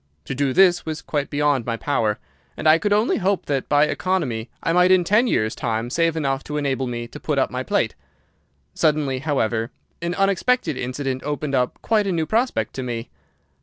To do this was quite beyond my power, and I could only hope that by economy I might in ten years' time save enough to enable me to put up my plate. Suddenly, however, an unexpected incident opened up quite a new prospect to me.